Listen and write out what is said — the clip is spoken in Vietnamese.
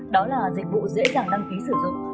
đó là dịch vụ dễ dàng đăng ký sử dụng